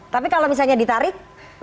tapi kalau misalnya ditarik